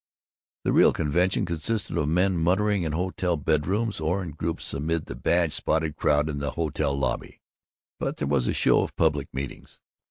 The real convention consisted of men muttering in hotel bedrooms or in groups amid the badge spotted crowd in the hotel lobby, but there was a show of public meetings.